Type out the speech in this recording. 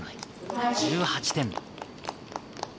１８点。